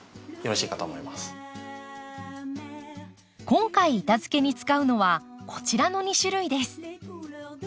今回板づけに使うのはこちらの２種類です。